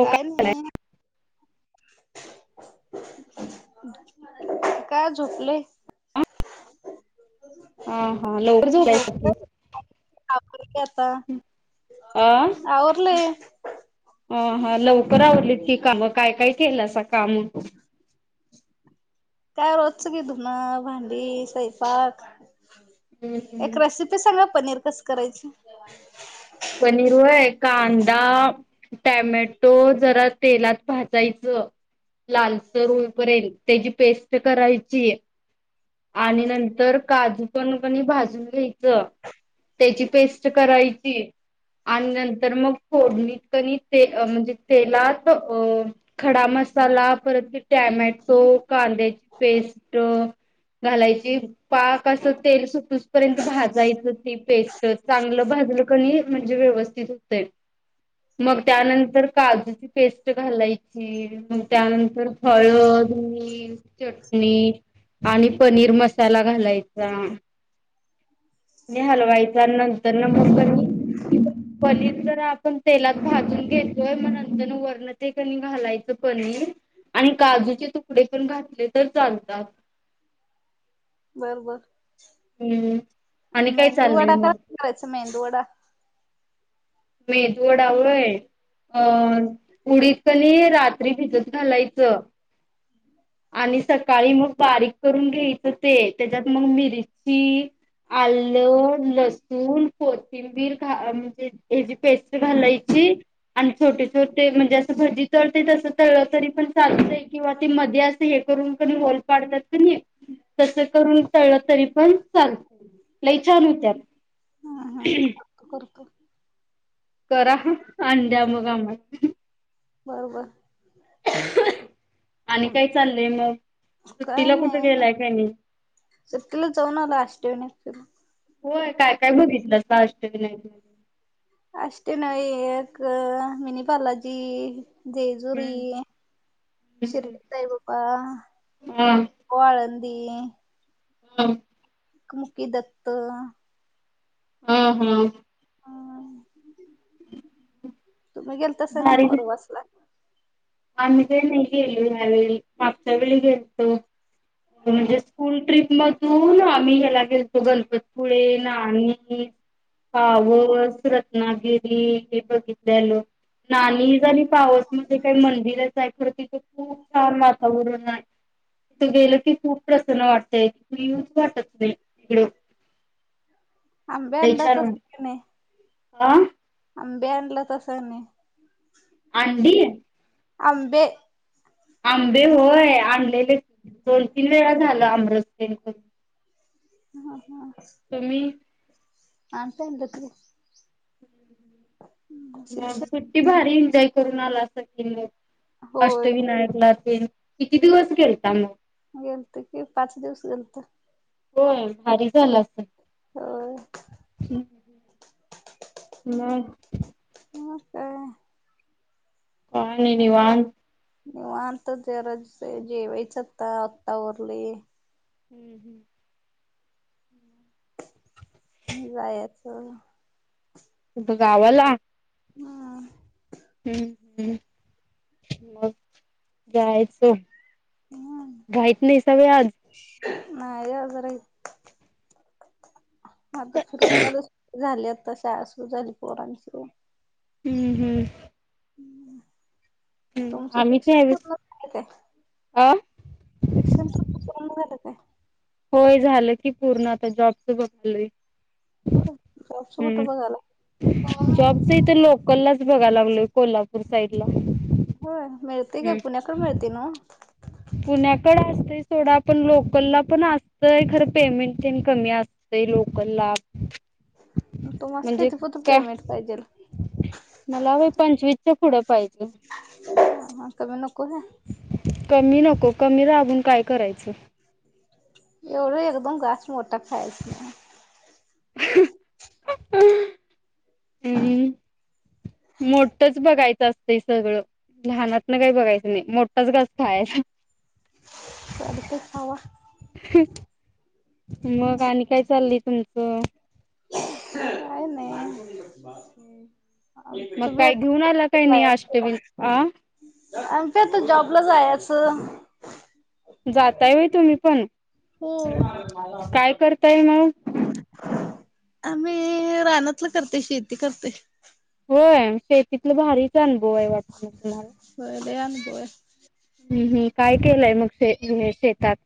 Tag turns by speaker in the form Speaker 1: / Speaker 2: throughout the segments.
Speaker 1: काय [unintelligible] का झोपले.
Speaker 2: हा हा लवकर झालय
Speaker 1: झोपले
Speaker 2: की
Speaker 1: आता
Speaker 2: अ
Speaker 1: आवरलय.
Speaker 2: ह हा लवकर आवरली की काम काय काय केलं असं काम
Speaker 1: काय रोजचं की धुण भांडी स्वयंपाक
Speaker 2: हम्म
Speaker 1: एक रेसिपी सांगा पनीर कसं करायचे.
Speaker 2: पनीर वय कांदा टॅमॅटो जरा तेलात भाजायचं लालसर होईपर्यन्त त्याची पेस्ट करायची आणि नंतर काजू पण कनी भाजून घ्यायचं त्याची पेस्ट करायची. आणि नंतर मग फोडणीत क नी ते म्हणजे तेलात अ खडा मसाला परत टॅमॅटो कांद्याची पेस्ट घालायची. पाक असं तेल सुटसपर्यंत भाजायचं ती पेस्ट चांगलं भाजलं का नी म्हणजे व्यवस्थित होतय मग त्यानंतर काजूची पेस्ट घालायची मग त्यानंतर हळद मीठ चटणी आणि पनीर मसाला घालायचा. आणि हलवायचा नंतर न मग क नी पनीर जरा आपण तेलात भाजून घेतोय मग नंतर वर ते क घालायचं पनीर आणि काजूचे तुकडे पण घातले तर चालतात.
Speaker 1: बर बर..
Speaker 2: हम्म आणि काय चाललंय मग..
Speaker 1: रच मेंदु वडा
Speaker 2: मेंदु वडा व्हय अ उडीत कनी रात्री भिजत घालायचं. आणि सकाळी मग बारीक करून घ्यायचं ते त्याच्यात मग मिरची आलं लसूून कोथिं किबीरा म्हणजे हची पेस्ट्री घालायची. आणि छोटे छोटे म्हणजे जं भजी तळते तसं तळतरी पण चालते किंवा ती मध्ये असते. हे करून क ल पाडतात क नाही तस करून टळलं तरी पण चालत. लई छान होत्यात.
Speaker 1: हम हा करकर
Speaker 2: करा अ न द्या मग आम्हास
Speaker 1: बर बर
Speaker 2: आणि काय चाललंय मग सुट्टीला कुठे गेलाय काय नाही.
Speaker 1: सुंटिला जाऊन आलोय आष्टविनायक ला.
Speaker 2: होय काय काय बघितलं त्या अष्टविनायक ला?
Speaker 1: अष्टविनायक एक मिनीबालाजी जेजुरी
Speaker 2: हम्म हम्म
Speaker 1: शिर्डी साई बाबा आळंदी
Speaker 2: हम
Speaker 1: एकमुखी दत्त
Speaker 2: हम्म हम्म
Speaker 1: हम तुम्ही गेलतासा ना परवास
Speaker 2: आम काना गेलो ह्या वेळी मागच्या वेळी गेलतो म्हणजे स्कूल ट्रिप ला तो ना आम्ही ह्याला गेलतो गणपतपुळे नाणी पावस रतनागिरी हे बघितल्यालो नानीज अणि पावस मध्ये काय मन नीरज ॲक्रो तिथ खूप छान वातावरण आहे तू गेल की खूप प्रसन वाटतय इकडे येऊच वाटत नाही इकडं
Speaker 1: आंब्याला तस नाही
Speaker 2: आ
Speaker 1: आंब्याला आणल तस नाही
Speaker 2: आंडी
Speaker 1: आंबे
Speaker 2: आंबे होय आणलेले दोन तीन वेळा झालं आंबरस प्यायच.
Speaker 1: हा हा
Speaker 2: तुम्ही
Speaker 1: आणताय आनल्यात होय.
Speaker 2: मग सुट्टी भारी एन्जॉय करून आला असाल की मग
Speaker 1: होय
Speaker 2: अष्टविनायक ला तेन किती दिवस गेलता मग?
Speaker 1: गेलतो कि पाच दिवस गेलतो.
Speaker 2: होय भारी झालं असं.
Speaker 1: होय
Speaker 2: हू, मगं
Speaker 1: मगं काय?
Speaker 2: काय नाही
Speaker 1: आता
Speaker 2: निवांत.
Speaker 1: निवांत जरासे जेवायचं आता आता आवरले.
Speaker 2: हुं हुं,
Speaker 1: म जायायच
Speaker 2: कुठ गावाला?
Speaker 1: हा.
Speaker 2: हू हू, मग जायाचो
Speaker 1: निवांत नाही [unintelligible] आता सुरणत्याल झाली आता शाळा सुरू झाली पोरांची ओ.
Speaker 2: हुं हुं, हम्म
Speaker 1: तुमच
Speaker 2: आम्हीच
Speaker 1: शिक्षण
Speaker 2: यावेळेस
Speaker 1: पूर्ण [unintelligible] काय?
Speaker 2: अ
Speaker 1: शिक्षण तुमच पूर्ण झालं काय?
Speaker 2: होय झालं की पूर्ण आता जॉबच बघालोय.
Speaker 1: होय जॉबचं कूठ
Speaker 2: हम्म
Speaker 1: बघालाय?
Speaker 2: कोल्लाच बघा लागलोय कोल्हापूर साईडला.
Speaker 1: होय मिळतय काय पुण्याकड मिळतय नव्हं?
Speaker 2: [inaudible] पुण्याकड आसतय सोडा पण लोकला पण आसतंय खरं पेमेंट तेन कमी आस तय लोकला
Speaker 1: म तुम्हासनी कितीपतोर
Speaker 2: काय
Speaker 1: पेमेंट पाहिजेल?
Speaker 2: मला व्हय पंचवीच्या पुढं पाहिजे.
Speaker 1: हा का म नको होय.
Speaker 2: कमी नको कमी राबून काय करायचं.
Speaker 1: एवढं एकदम घास मोठा खायच नाही.
Speaker 2: हू, मोठच बगायच आसतंय सगळं, लाहानातन काय बगायचं नाही मोठाच घास खायाचा.
Speaker 1: काय दुखतंय?
Speaker 2: मग आणि काय चालली तुमचं?
Speaker 1: काय नाही.
Speaker 2: मग
Speaker 1: आमचं बी
Speaker 2: काय घेऊन आला काय
Speaker 1: आता
Speaker 2: नाही अष्टविन आ
Speaker 1: [unintelligible] आमचं इथं जॉबला जायाच.
Speaker 2: जाताय व्हय तुम्ही पण,
Speaker 1: हो
Speaker 2: काय करताय मग?
Speaker 1: आम्ही रानातलं करते, शेती करते.
Speaker 2: होय, शेतीतलं भारीच आनुभव आहे वाटत [unintelligible] तुम्हाला?
Speaker 1: होय लय अनुभव आहे
Speaker 2: हू हू, काय केलाय मग शे हे शेतात?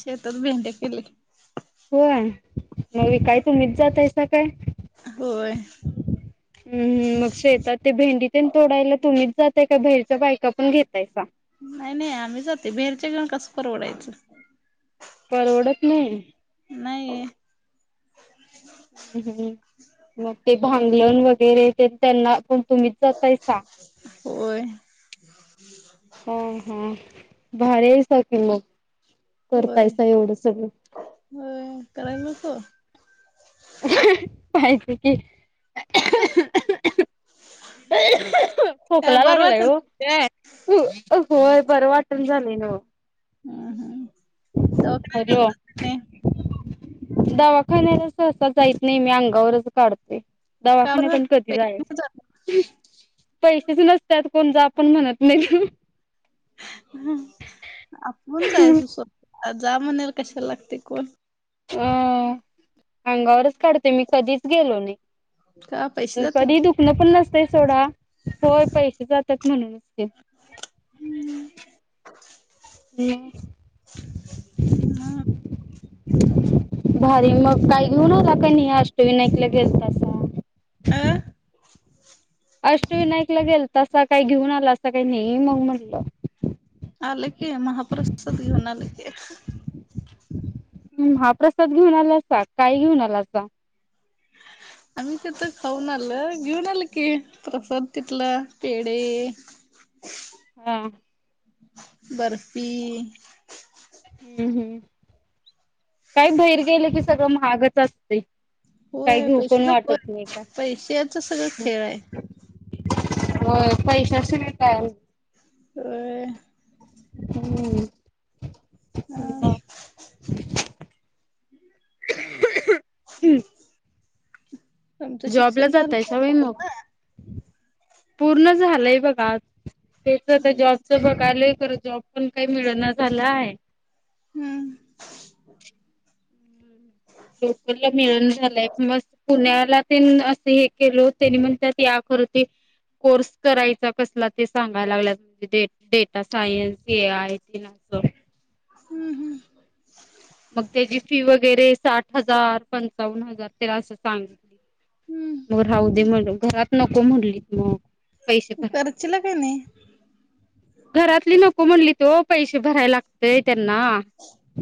Speaker 1: शेतात भेंड्या केले.
Speaker 2: होय मग विकाय तुम्हींच जातायसा काय?
Speaker 1: होय.
Speaker 2: हुं हुं, मग शेतात ते भेंडीतेनं तोडायला तुम्हीच जातय काय? बाहिरच्या बायका पण घेतायसा?
Speaker 1: नाही नाही आम्ही जातोय बहेरच्यां घेऊन कसं परवडायचं?
Speaker 2: परवडत नाही?
Speaker 1: नायी.
Speaker 2: ह्.. ह.. ह. मग, ते भांगलण वगैरे ते त्यांना कोण तुम्हीच, जातयसा?
Speaker 1: होय
Speaker 2: हा, हा. भारीयैंसा कि मग,
Speaker 1: होय
Speaker 2: करतायसा एवढं सगळं.
Speaker 1: होय, कराय नको?
Speaker 2: हं.. हं. पाहिजे की.
Speaker 1: काय
Speaker 2: खोकला
Speaker 1: बरं
Speaker 2: लागलाय ओ.
Speaker 1: वाटत काय
Speaker 2: होय, बरं वाटण झालंय न्हवं.
Speaker 1: ह, ह. दवाखान्याला
Speaker 2: हॅलो
Speaker 1: गेलता काय नाही?
Speaker 2: दवाखान्याला सहसा, जायीत नाही मी. अंगावरच काढते.
Speaker 1: का
Speaker 2: दावाखान्यात
Speaker 1: बरं
Speaker 2: आणि कधी, जाय
Speaker 1: पैसे जात
Speaker 2: पैशैबी नसत्यात. कोण जा पण, म्हणत नाही.
Speaker 1: ह.. आपुण जायाच स्वतः. जा, म्हणायला कशाला लागतंय कोण?
Speaker 2: अ.. आंगावरच, काढते मी. कधीच गेलो नाही.
Speaker 1: का पैसे
Speaker 2: कधी
Speaker 1: जात्यावर
Speaker 2: दुखणं पण, नसतय सोंडा. होय, पैसे जात्यात म्हणूनच ते हम्म
Speaker 1: [unintelligible] ना.
Speaker 2: भारी. मग काही घेऊन आला का नाही? अष्टविनायकला गेलता तेव्हा.
Speaker 1: अं.
Speaker 2: अष्टविनायकला गेलतासां. काही घेऊन, आलासां का नाही? मग म्हटलं.
Speaker 1: आलं की. महाप्रसाद घेऊन, आलं की.
Speaker 2: ह्, महा प्रसाद घेऊन आलासा. काय घेऊन आलासा?
Speaker 1: आम्ही तिथ खाऊन आलो. घेऊन आलो की, प्रसाद तिथला पेढे
Speaker 2: हा.
Speaker 1: बर्फी.
Speaker 2: हम्, हम्. काय बाहेर गेलं कि सगळं महागच असतय. काय
Speaker 1: होय
Speaker 2: घेऊ
Speaker 1: पैसे
Speaker 2: पण
Speaker 1: नकोय
Speaker 2: वाटत नाही, काय.
Speaker 1: पैशाच सगळं खेळ आहे
Speaker 2: होय, पैशाशिवाय काय आहे?
Speaker 1: होय.
Speaker 2: हम्.
Speaker 1: [unintelligible] तुमचं
Speaker 2: जॉब ला,
Speaker 1: शिक्षण झालं का
Speaker 2: जातायंसा व्हय मग?
Speaker 1: पूर्ण
Speaker 2: पूर्ण झालंय बघा. तेच ते जॉब. ते बघालोय खंर जॉब पण काही मिळना झालाय.
Speaker 1: हम्म
Speaker 2: लोकलला मिळून झालंय म पुण्याला ते असं हे केलं त्यांनी मण त्यात या कर होते कोर्स करायचा कसला ते सांगयला लागलात तिथे, डेटा सायन्स, ए आय तेंन असंत.
Speaker 1: हम्म हम्म
Speaker 2: मग त्याची फी वगैरे साठ हजार पंचावन्न हजार त्याला असं सांगित मग
Speaker 1: हम्म
Speaker 2: राहदे म्हणतो घरात नको म्हणलीत मग पैसे भरायलाग
Speaker 1: करचीला काय नाही
Speaker 2: घरातली नको म्हटलेत ओ पैसे भरायला लागतेय त्यांना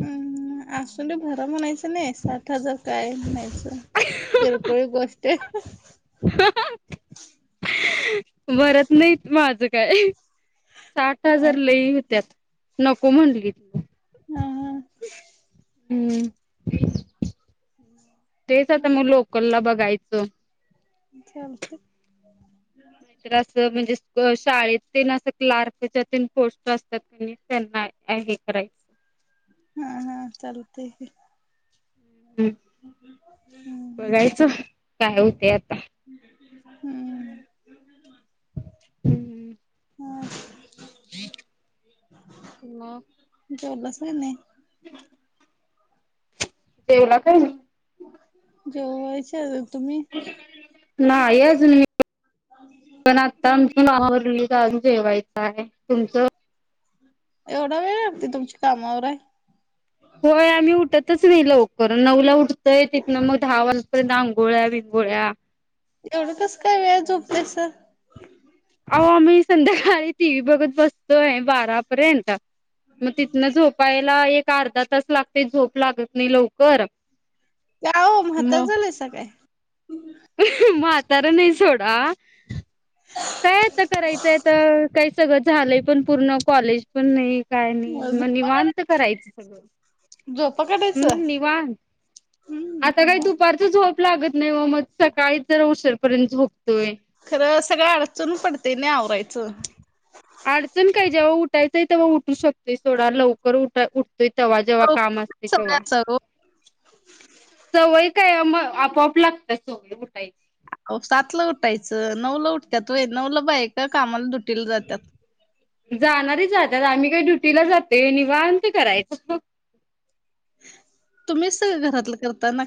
Speaker 1: हम्म अस भरं म्हणायचं नाही, सात हजार काय आहे म्हणायचं, किरकोळ गोष्ट ते,
Speaker 2: हो [inaudible] भरत नाहीत माझं काय साठ
Speaker 1: हा
Speaker 2: हजार लई होतत. नको म्हटली.
Speaker 1: हम् हम्,
Speaker 2: हम्म, तेच आता मग लोकल ला बघायचं.
Speaker 1: चालतंय.
Speaker 2: असं म्हणजे शाळेत त असं क्लार्कच्या त पोस्ट असतात की, त्यांना अ हे करायचं.
Speaker 1: हा हा, चालते की.
Speaker 2: हम्,
Speaker 1: हम्म
Speaker 2: बघायचं काय होते आता.
Speaker 1: हम्म,
Speaker 2: हम् हम्,
Speaker 1: ह [inaudible]
Speaker 2: मग.
Speaker 1: जवलस का नाही.
Speaker 2: जेवला का नाही.
Speaker 1: जेवायची हाय अजून तुम्ही.
Speaker 2: नाही अजून पण पण आता आमच्या मावरली जाज जेवायचं आहे तुमचं.
Speaker 1: एवढा वेळ.
Speaker 2: होय आम्ही उठतच नाही लवकर नऊला उठतय तिथ ना मग दहा वाजपर्यंत आंघोळ्या बिंगोळ्या.
Speaker 1: एवढं कस काय वेळ झोपल्यास.
Speaker 2: अहो मी संध्याकाळी टी व्ही बघत बसतोय बारापर्यंत मग तिथनं झो ''--'' पायाला एक अर्धा तास लागते झोप लागत नाही लवकर.
Speaker 1: का हो म्हात झालंय स काय.
Speaker 2: म्हातारा नाही सोडा. काय आता करायचंय तर काही सगळं झालंय पण पूर्ण कॉलेज पण नाही. काय नाही मग
Speaker 1: झोपा
Speaker 2: निवणत
Speaker 1: काढाय
Speaker 2: करायचं सगळं
Speaker 1: झोपा काढायचं
Speaker 2: हम्, निवणत. आता
Speaker 1: हम्म
Speaker 2: काही दुपारचं झोप लागत नाही व मग सकाळी जर शरपर्यंत झोप ''--'' तोय.
Speaker 1: खरं सगळं अडचण पडते नाही आवरायचं.
Speaker 2: अडचण काय जेव्हा उठायचंय तेव्हा उठू शकतोय सोडा लवकर उठा उठ. त तेव्हा जेव्हा काम असत
Speaker 1: सगळं
Speaker 2: तेव्हा.
Speaker 1: अस
Speaker 2: सवय काय मग आपोआप लागतात [unintelligible] सवय उठायची
Speaker 1: हो सातला उठायचं नऊला उठतात वय नऊला बा ए का कामाला दुटीला जातात.
Speaker 2: जाणारी जहातात आम्ही काही ड्युटीला जाते नि वाहण ते करायचं.
Speaker 1: तुम्हीच सगळं घरातलं करता ना,